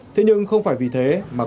thế nhưng không phải vì thế mà quốc gia